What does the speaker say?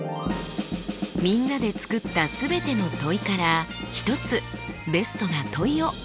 みんなで作った全ての問いから１つベストな問いを選びましょう。